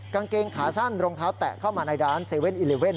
กางเกงขาสั้นรองเท้าแตะเข้ามาในร้าน๗๑๑